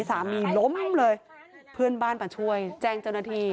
สามีล้มเลยเพื่อนบ้านมาช่วยแจ้งเจ้าหน้าที่